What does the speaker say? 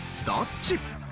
どっち？